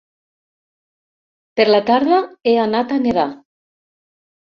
Per la tarda, he anat a nedar.